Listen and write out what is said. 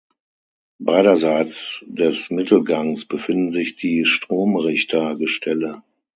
Beiderseits des Mittelgangs befinden sich die Stromrichter-Gestelle.